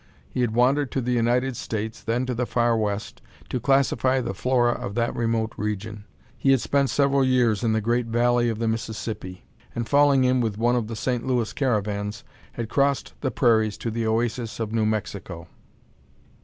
He had wandered to the United States, then to the Far West, to classify the flora of that remote region. He had spent several years in the great valley of the Mississippi; and, falling in with one of the Saint Louis caravans, had crossed the prairies to the oasis of New Mexico.